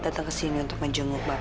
datang kesini untuk menjenguk bapak